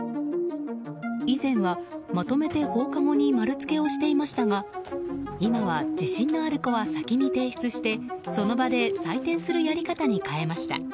以前は、まとめて放課後に丸つけをしていましたが今は自信のある子は先に提出してその場で採点するやり方に変えました。